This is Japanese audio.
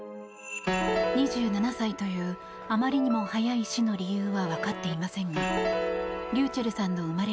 ２７歳というあまりにも早い死の理由はわかっていませんがｒｙｕｃｈｅｌｌさんの生まれ